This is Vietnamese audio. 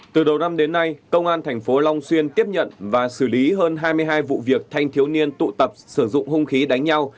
từ đầu năm đến nay công an tp long xuyên tiếp nhận và xử lý hơn hai mươi hai vụ việc thanh thiếu niên tụ tập sử dụng hung khí đánh nhau